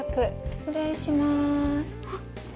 失礼します。